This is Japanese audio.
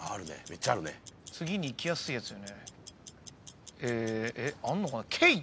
次にいきやすいやつよね。